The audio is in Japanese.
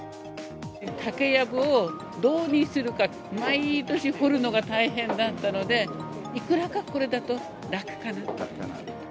竹やぶをどうにするか、毎年、掘るのが大変だったので、いくらかこれだと、楽かなと。